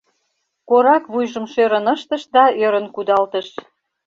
Корак вуйжым шӧрын ыштыш да ӧрын кудалтыш: